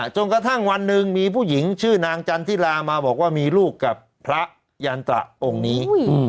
จนกระทั่งวันหนึ่งมีผู้หญิงชื่อนางจันทิรามาบอกว่ามีลูกกับพระยันตระองค์นี้